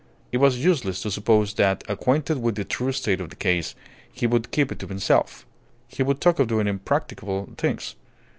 It was useless to suppose that, acquainted with the true state of the case, he would keep it to himself. He would talk of doing impracticable things.